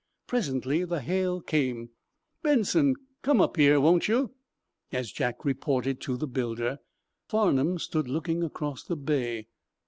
Presently, the hail came: "Benson, come up here, won't you?" As Jack reported to the builder Farnum stood looking across the bay.